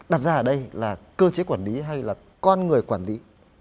đặt ra ở đây là cơ chế quản lý hay là con người quản lý